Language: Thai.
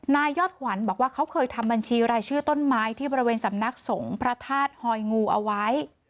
นายยอดขวัญบอกว่าเขาเคยทำบัญชีรายชื่อต้นไม้ที่บริเวณสำนักสงฆ์พระธาตุหอยงูเอาไว้